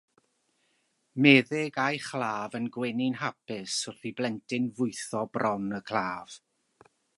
Meddyg a'i chlaf yn gwenu'n hapus wrth i blentyn fwytho bron y claf.